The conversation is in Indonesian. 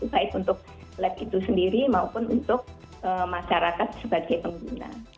baik untuk lab itu sendiri maupun untuk masyarakat sebagai pengguna